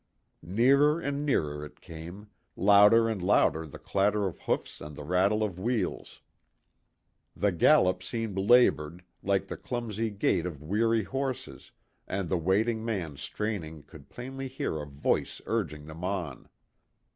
Nearer and nearer it came, louder and louder the clatter of hoofs and the rattle of wheels. The gallop seemed labored, like the clumsy gait of weary horses, and the waiting man straining could plainly hear a voice urging them on.